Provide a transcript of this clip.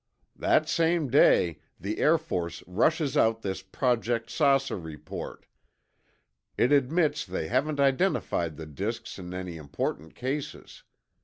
"That same day, the Air Force rushes out this Project 'Saucer' report. It admits they haven't identified the disks in any important cases.